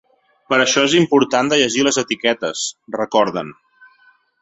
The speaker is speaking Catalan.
Per això és important de llegir les etiquetes, recorden.